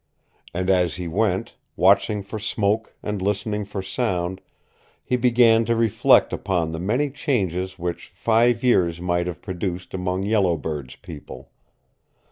And as he went, watching for smoke and listening for sound, he began to reflect upon the many changes which five years might have produced among Yellow Bird's people.